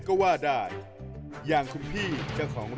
คิกคิกคิกคิกคิกคิกคิกคิก